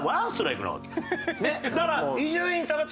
だから。